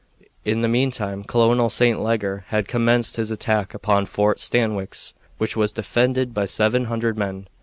In the meantime Colonel St. Leger had commenced his attack upon Fort Stanwix, which was defended by seven hundred men.